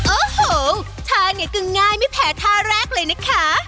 โอ้โหท่านี้ก็ง่ายไม่แพ้ท่าแรกเลยนะคะ